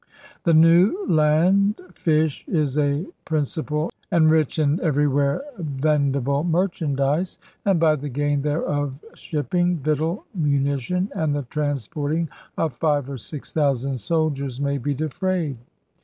... The New Land fish is a principal and rich and everywhere vendi ble merchandise; and by the gain thereof shipping, victual, munition, and the transporting of five or six thousand soldiers may be defrayed.